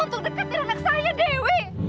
untuk deketin anak saya dewi